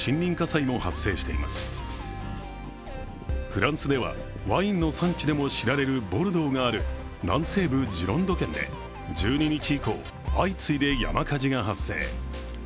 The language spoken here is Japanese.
フランスでは、ワインの産地でも知られるボルドーがある南西部ジロンド県で１２日以降、相次いで山火事が発生。